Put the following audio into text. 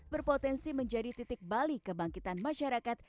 berpotensi menjadi titik balik kebangkitan masyarakat